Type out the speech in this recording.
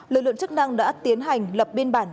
lực lượng chức năng đã tiến hành lập biên bản